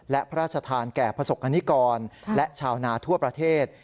และพระราชทานแก่ประสบกรณิกรและชาวนาทั่วประเทศ